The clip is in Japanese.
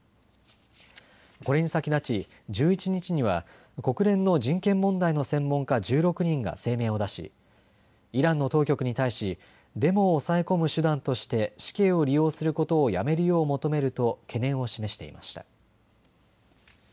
これに先立ち１１日には国連の人権問題の専門家１６人が声明を出しイランの当局に対しデモを抑え込む手段として死刑を利用することをやめるよう求めると懸念を示していました。